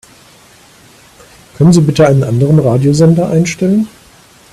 Können Sie bitte einen anderen Radiosender einstellen?